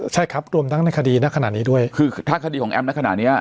ใช่ครับรวมทั้งในคดีณขณะนี้ด้วยคือถ้าคดีของแอมในขณะเนี้ย